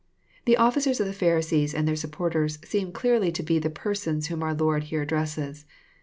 ] The officers of the Pharisees and their supporters seemclearly to be the persons whom our Lord here addresses.